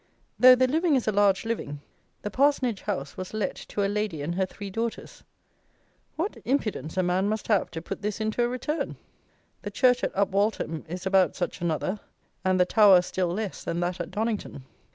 Though the living is a large living, the parsonage house was let to "a lady and her three daughters." What impudence a man must have to put this into a Return! The church at Upwaltham is about such another, and the "tower" still less than that at Donnington.